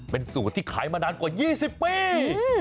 เป็นสูตรที่ขายมานานกว่า๒๐ปี